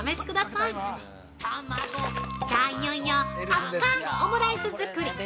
さぁ、いよいよぱっかーんオムライス作り！